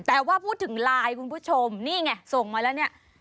แต่ว่าพูดถึงไลน์คุณผู้ชมนี่ไงส่งมาแล้วเนี่ย